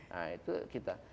nah itu kita